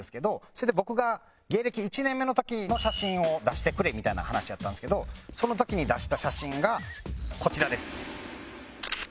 それで僕が芸歴１年目の時の写真を出してくれみたいな話やったんですけどその時に出した写真がこちらです。